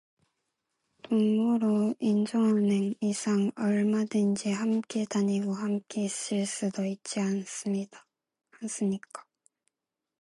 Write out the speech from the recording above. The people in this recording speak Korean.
동무로 인정하는 이상 얼마든지 함께 다니고 함께 있을 수도 있지 않습니까.